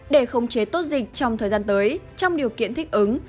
để khống chế tốt dịch trong thời gian tới trong điều kiện thích ứng